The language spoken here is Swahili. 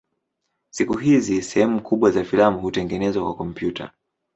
Siku hizi sehemu kubwa za filamu hutengenezwa kwa kompyuta.